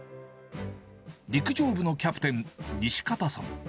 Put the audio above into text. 陸上部のキャプテン、西方さん。